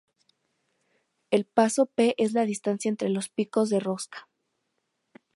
El paso P es la distancia entre los picos de rosca.